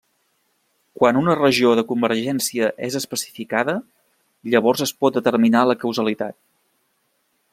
Quan una regió de convergència és especificada, llavors es pot determinar la causalitat.